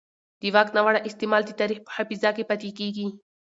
د واک ناوړه استعمال د تاریخ په حافظه کې پاتې کېږي